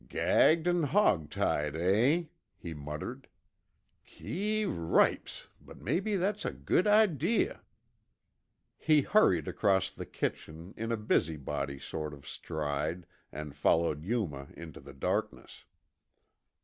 "Gagged an' hawg tied, eh," he muttered. "Keeee ripes, but mebbe that's a good idee." He hurried across the kitchen in a busybody sort of stride and followed Yuma into the darkness.